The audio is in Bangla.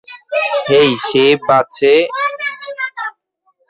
হেই, সে বেঁচে আছে।